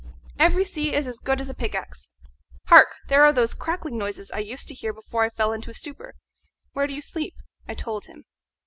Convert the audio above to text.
Every sea is as good as a pickaxe. Hark! there are those crackling noises I used to hear before I fell into a stupor. Where do you sleep?" I told him.